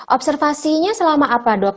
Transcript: observasinya selama apa dok